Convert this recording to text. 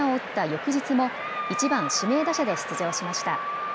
翌日も１番・指名打者で出場しました。